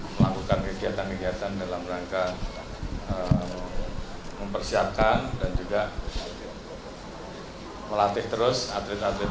melakukan kegiatan kegiatan dalam rangka mempersiapkan dan juga melatih terus atlet atlet